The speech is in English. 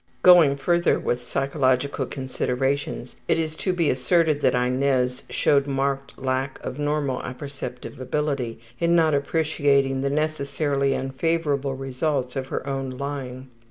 Going further with psychological considerations it is to be asserted that Inez showed marked lack of normal apperceptive ability in not appreciating the necessarily unfavorable results of her own lying.